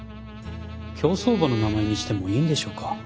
競走馬の名前にしてもいいんでしょうか？